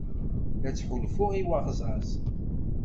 La ttḥulfuɣ i uɣẓaẓ.